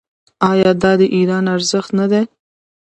آیا دا د ایران ارزښت نه دی؟